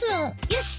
よし。